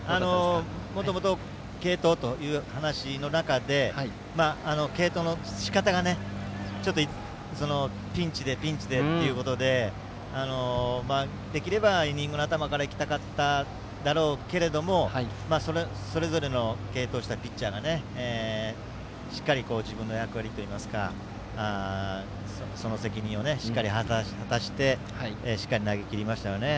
もともと継投という話の中で継投のしかたがピンチで、ピンチでということでできればイニングの頭から行きたかっただろうけどそれぞれの継投したピッチャーがしっかり自分の役割といいますかその責任をしっかり果たして投げきりましたよね。